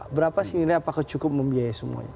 berapa sinilnya apakah cukup membiayai semuanya